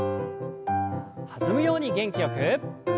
弾むように元気よく。